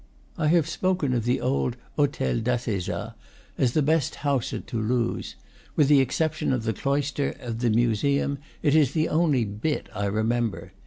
I have spoken of the old Hotel d'Assezat as the best house at Toulouse; with the exception of the cloister of the museum, it is the only "bit" I remember.